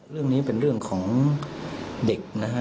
เรื่องนี้เป็นเรื่องของเด็กนะฮะ